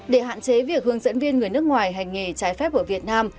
để hạn chế việc hướng dẫn viên người nước ngoài hành nghề trái phép ở việt nam